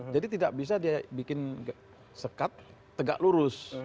jadi tidak bisa dia bikin sekat tegak lurus